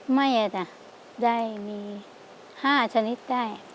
ไม่นะได้๕ชนิดได้